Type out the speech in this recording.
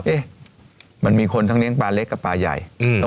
เอ๊ะมันมีคนทั้งเลี้ยงปลาเล็กกับปลาใหญ่